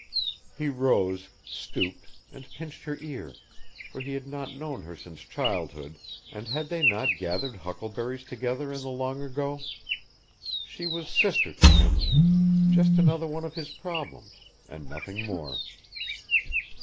He rose, stooped, and pinched her ear; for had he not known her since childhood, and had they not gathered huckleberries together in the long ago? She was sister to him just another one of his problems and nothing more.